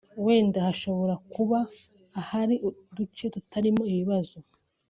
wenda hashobora kuba ahari duce tutarimo ibibazo